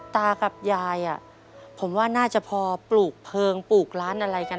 ตากับยายผมว่าน่าจะพอปลูกเพลิงปลูกร้านอะไรกัน